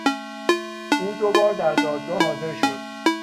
او دوبار در دادگاه حاضر شد.